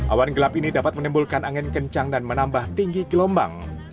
awan gelap ini dapat menimbulkan angin kencang dan menambah tinggi gelombang